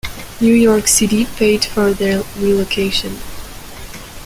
New York City paid for their relocation.